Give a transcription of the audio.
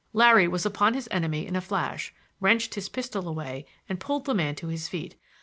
Larry was upon his enemy in a flash, wrenched his pistol away and pulled the man to his feet.